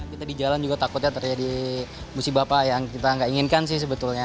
kita di jalan juga takutnya terjadi musibah apa yang kita nggak inginkan sih sebetulnya